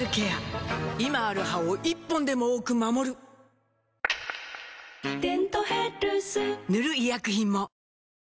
今ある歯を１本でも多く守る「デントヘルス」塗る医薬品も